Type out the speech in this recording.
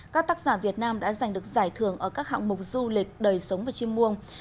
các tác giả việt nam đã giành được giải thưởng ở các hạng mục du lịch đời sống và chim muông